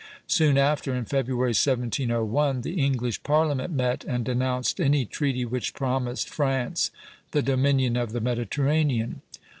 Soon after, in February, 1701, the English Parliament met, and denounced any treaty which promised France the dominion of the Mediterranean.